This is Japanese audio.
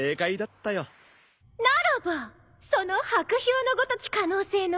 ならばその薄氷のごとき可能性の未来